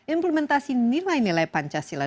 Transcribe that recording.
implementasi nilai nilai pancasila